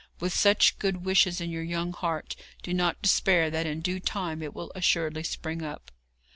With such good wishes in your young heart, do not despair that in due time it will assuredly spring up.'